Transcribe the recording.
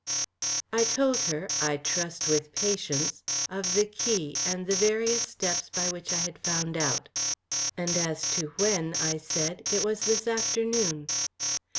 I told her, I trust with patience, of the key and the various steps by which I had found out. "And as to when," I said, "it was this afternoon."